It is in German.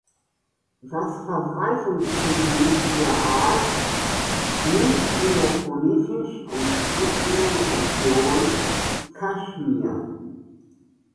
Das Verbreitungsgebiet der Art liegt in der politisch umstrittenen Region Kaschmir.